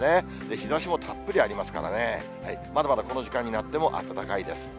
日ざしもたっぷりありますからね、まだまだこの時間になっても暖かいです。